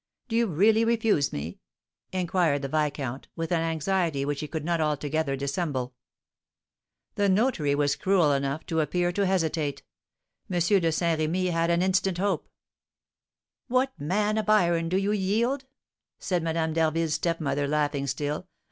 Do you really refuse me?" inquired the viscount, with an anxiety which he could not altogether dissemble. The notary was cruel enough to appear to hesitate; M. de Saint Remy had an instant's hope. "What, man of iron, do you yield?" said Madame d'Harville's stepmother, laughing still.